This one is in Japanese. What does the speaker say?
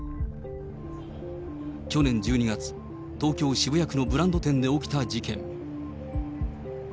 去年１２月、東京・渋谷区のブランド店で起きた事件。